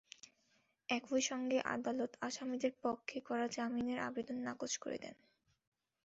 একই সঙ্গে আদালত আসামিদের পক্ষে করা জামিনের আবেদন নাকচ করে দেন।